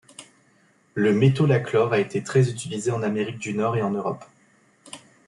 Le métolachlore a été très utilisé en Amérique du Nord et en Europe.